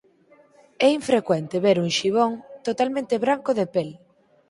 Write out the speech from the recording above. É infrecuente ver un un xibón totalmente branco de pel.